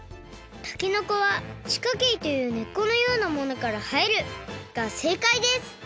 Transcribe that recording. たけのこは「地下茎という根っこのようなものからはえる」がせいかいです！